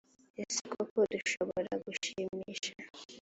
ese koko dushobora gushimisha